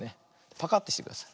パカッてしてください。